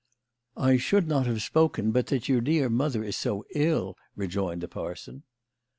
"I should not have spoken, but that your dear mother is so ill," rejoined the parson.